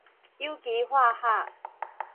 有機化學